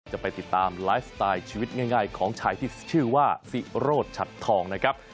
จะไปติดตามไลฟ์สไตล์ชีวิตง่ายของชายที่ชื่อว่าซิโรดชัดทองนะครับ